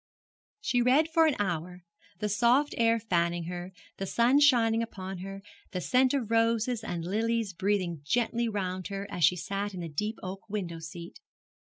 She read for an hour, the soft air fanning her, the sun shining upon her, the scent of roses and lilies breathing gently round her as she sat in the deep oak window seat.